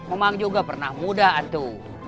emang juga pernah muda atu